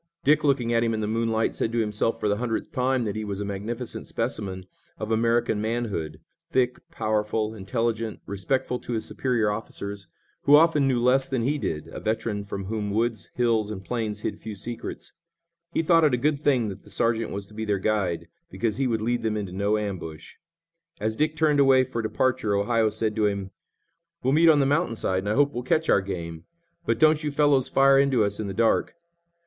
Dick, looking at him in the moonlight, said to himself for the hundredth time that he was a magnificent specimen of American manhood, thick, powerful, intelligent, respectful to his superior officers, who often knew less than he did, a veteran from whom woods, hills, and plains hid few secrets. He thought it a good thing that the sergeant was to be their guide, because he would lead them into no ambush. As Dick turned away for departure Ohio said to him: "We'll meet on the mountain side, and I hope we'll catch our game, but don't you fellows fire into us in the dark."